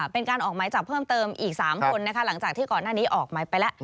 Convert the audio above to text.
เป็นการออกหมายจับเพิ่มเติมอีก๓คนนะคะหลังจากที่ก่อนหน้านี้ออกหมายไปแล้ว